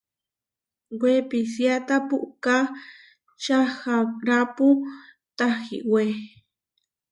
Wepisiáta puʼká čaharápu tahiwé.